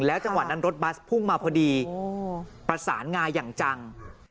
จังหวะนั้นรถบัสพุ่งมาพอดีประสานงาอย่างจัง